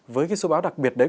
với cái số báo đặc biệt đấy